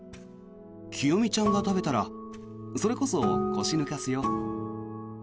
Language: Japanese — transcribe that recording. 清三ちゃんが食べたらそれこそ腰抜かすよ。